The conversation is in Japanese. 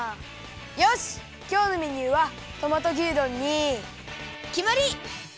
よしきょうのメニューはトマト牛丼にきまり！